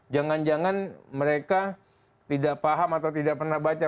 jangan jangan mereka tidak paham atau tidak pernah baca